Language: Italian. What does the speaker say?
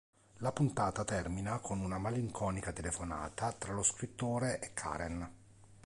La puntata termina con una malinconica telefonata tra lo scrittore e Karen.